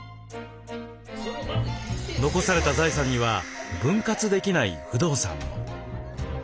残された財産には分割できない不動産も。